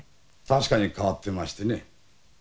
確かに変わってましてね。